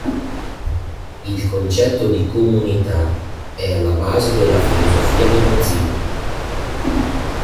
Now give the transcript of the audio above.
Il concetto di "comunità" è alla base della filosofia di Mozilla.